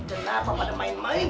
kenapa pada main main